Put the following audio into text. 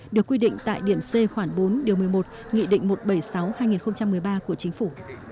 được quy định tại điểm c khoảng bốn điều một mươi một nghị định một trăm bảy mươi sáu hai nghìn một mươi ba của chính phủ